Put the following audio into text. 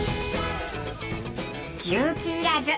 重機いらず。